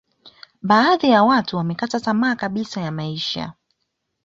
badhi ya watu wamekata tama kabisa ya maisha